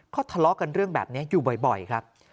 ก็ทะเลาะกันเรื่องแบบนี้อยู่บ่อยครับ